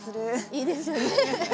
いいですよね。